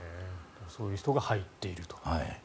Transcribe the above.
そういう人が入っていると。